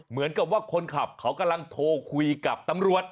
เหมือนกับว่าคนขับเขากำลังโทรคุยกับตำรวจ